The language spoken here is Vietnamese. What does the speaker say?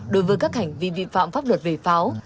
đối với các hành vi vi phạm pháp luật về pháo